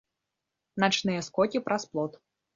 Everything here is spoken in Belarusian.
Начныя скокі праз плот.